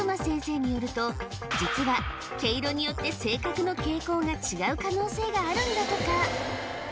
実は毛色によって性格の傾向が違う可能性があるんだとか